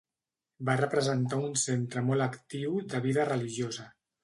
Va representar un centre molt actiu de vida religiosa.